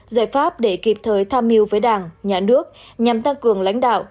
giải pháp để kịp thời tham mưu với đảng nhà nước nhằm tăng cường lãnh đạo